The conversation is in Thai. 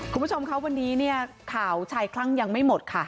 คุณผู้ชมครับวันนี้เนี่ยข่าวชายคลั่งยังไม่หมดค่ะ